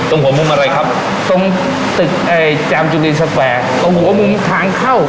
หัวมุมอะไรครับตรงตึกเอ่อจามจุลินสแฟร์ตรงหัวมุมทางเข้า